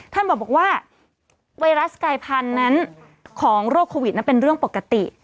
ท่านบอกว่าไวรัสกายพันธุ์นั้นของโรคโควิดนั้นเป็นเรื่องปกติ